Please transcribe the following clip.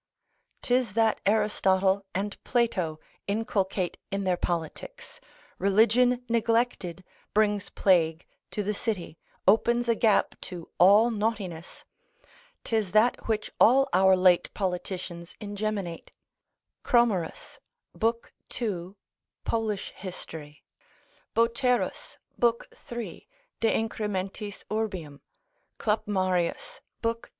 'Tis that Aristotle and Plato inculcate in their politics, Religion neglected, brings plague to the city, opens a gap to all naughtiness. 'Tis that which all our late politicians ingeminate. Cromerus, l. 2. pol. hist. Boterus, l. 3. de incrementis urbium. Clapmarius, l. 2.